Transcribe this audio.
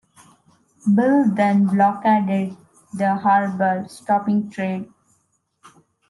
Bille then blockaded the harbor, stopping trade.